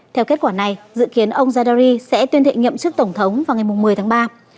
theo kết quả này dự kiến ông zardari sẽ tuyên thệ nhậm chức tổng thống vào ngày một mươi tháng ba